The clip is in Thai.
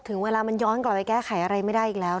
ถึงเวลามันย้อนกลับไปแก้ไขอะไรไม่ได้อีกแล้ว